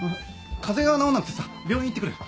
風邪が治んなくてさ病院行ってくる。